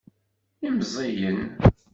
Imẓiyen.